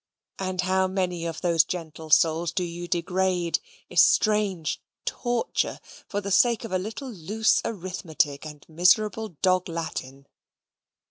and how many of those gentle souls do you degrade, estrange, torture, for the sake of a little loose arithmetic, and miserable dog latin?